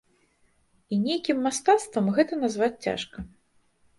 І нейкім мастацтвам гэта назваць цяжка.